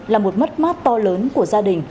là một mất mát to lớn của gia đình